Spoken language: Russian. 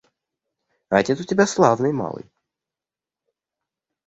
А отец у тебя славный малый.